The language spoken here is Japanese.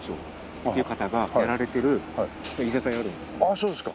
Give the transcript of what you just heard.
そうですか。